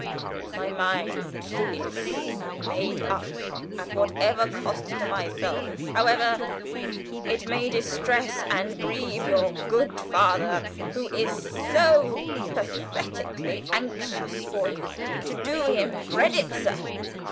My mind is made up at whatever cost to myself however it may distress and grieve your good father, who is so pathetically anxious for you to do him credit, sir.